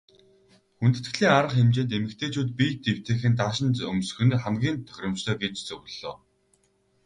Хүндэтгэлийн арга хэмжээнд эмэгтэйчүүд биед эвтэйхэн даашинз өмсөх нь хамгийн тохиромжтой гэж зөвлөлөө.